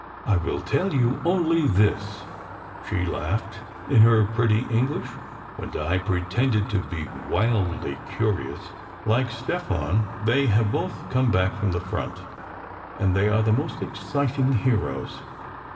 "I will tell you only this," she laughed, in her pretty English, when Di pretended to be wildly curious; "like Stefan they have both come back from the front, and they are the most exciting heroes!